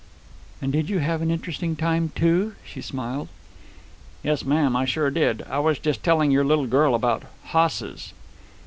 "And did you have an interesting time, too!" she smiled. "Yes, ma'am. I sure did. I was just telling your little girl about hosses."